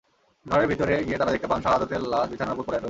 ঘরের ভেতরে গিয়ে তাঁরা দেখতে পান, শাহাদাতের লাশ বিছানার ওপর পড়ে রয়েছে।